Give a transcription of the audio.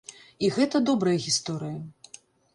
І гэта добрая гісторыя.